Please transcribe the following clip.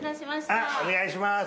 あっお願いします！